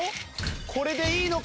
これでいいのか？